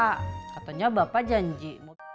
katanya bapak janji